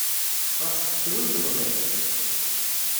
Ruḥ steqsi win tebɣiḍ!